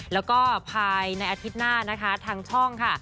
แล้วก็ภายในอาทิตย์หน้านะคะทางช่องค่ะ